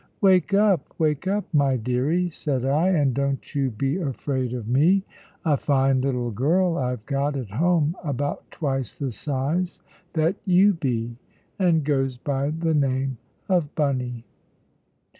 "Wake up, wake up, my deary," said I, "and don't you be afraid of me. A fine little girl I've got at home, about twice the size that you be, and goes by the name of 'Bunny.'"